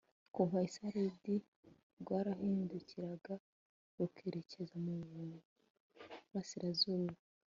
kuva i saridi, rwarahindukiraga rukerekeza mu burasirazuba